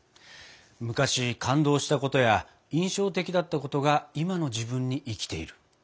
昔感動したことや印象的だったことが今の自分に生きている。